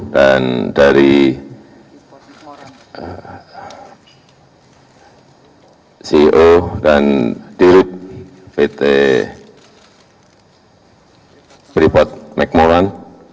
dan dari ceo dan dirut pt freeport macmoran